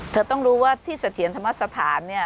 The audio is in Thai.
เธอต้องรู้ว่าที่เสถียรธรรมสถานเนี่ย